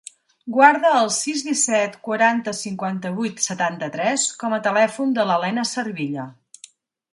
Guarda el sis, disset, quaranta, cinquanta-vuit, setanta-tres com a telèfon de la Lena Cervilla.